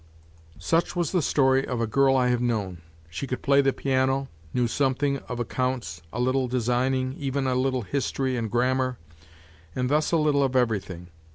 Such was the story of a girl I have known. She could play the piano, knew something of accounts, a little designing, even a little history and grammar, and thus a little of everything.